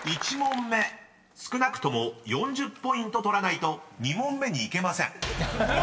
［１問目少なくとも４０ポイント取らないと２問目に行けません］